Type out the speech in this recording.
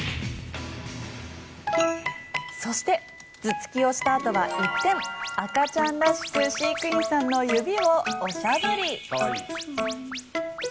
そして、頭突きをしたあとは一転赤ちゃんらしく飼育員さんの指をおしゃぶり。